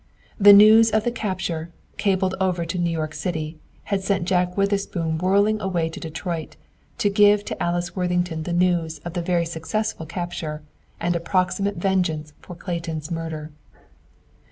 The news of the capture, cabled over to New York City, had sent Jack Witherspoon whirling away to Detroit to give to Alice Worthington the news of the successful capture, and a proximate vengeance for Clayton's murder.